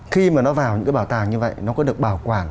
khi mà nó vào những cái bảo tàng như vậy nó có được bảo quản